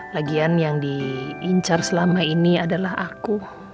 lagian yang diincar selama ini adalah aku